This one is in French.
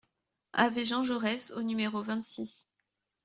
AV JEAN JAURES au numéro vingt-six